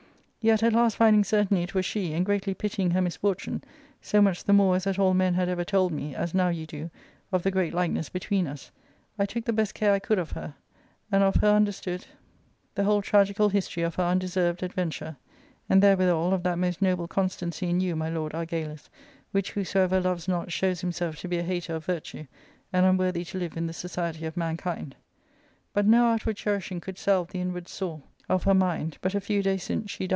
Yet, at last finding certainly it was she, and greatly^pitying her mis fortune, so much the more as that all men had ever told me, as now you do, of the great likeness between us, I took the best care I could of her, and of her understood the whole tragical history of her undeserved adventure ; and there withal of that most noble constancy in you my lord Argalus, which whosoever loves not shows himself to be a hater of virtue, and unworthy to live in the society of mankind. But no outward cherishing could salve the inward sore of her ^ind; but a few days since she.